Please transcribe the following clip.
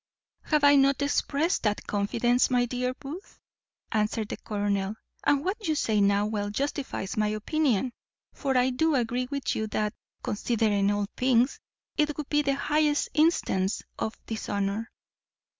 "Have I not exprest that confidence, my dear Booth?" answered the colonel. "And what you say now well justifies my opinion; for I do agree with you that, considering all things, it would be the highest instance of dishonour."